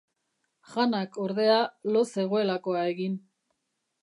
Hannak, ordea, lo zegoelakoa egin.